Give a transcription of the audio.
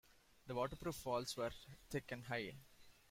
The waterproof walls were thick and high.